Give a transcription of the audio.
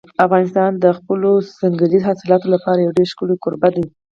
افغانستان د خپلو ځنګلي حاصلاتو لپاره یو ډېر ښه کوربه دی.